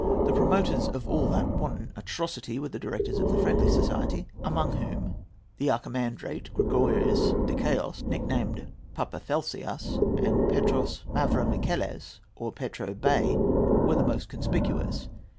The promoters of all that wanton atrocity were the directors of the Friendly Society, among whom the Archimandrate Gregorios Dikaios, nicknamed Pappa Phlesas, and Petros Mavromichales, or Petro Bey, were the most conspicuous.